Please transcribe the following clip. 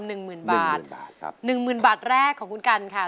หนึ่งหมื่นบาทหนึ่งหมื่นบาทแรกของคุณกันค่ะ